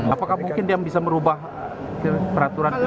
apakah mungkin dia bisa merubah peraturan itu